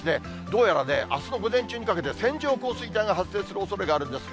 どうやらね、あすの午前中にかけて、線状降水帯が発生するおそれがあるんです。